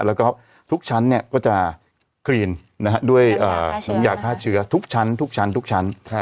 แล้วก็ทุกชั้นเนี่ยก็จะคลีนนะฮะด้วยหยากฆ่าเชื้อทุกชั้นทุกชั้นทุกชั้น